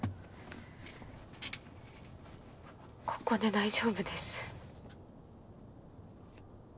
ここで大丈夫です。